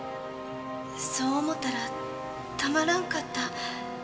そう思ったらたまらんかった。